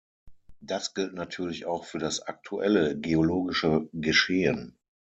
Das gilt natürlich auch für das aktuelle geologische Geschehen.